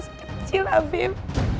kasian mereka masih kecil afif